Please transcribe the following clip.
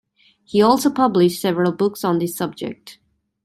He also published several books on this subject.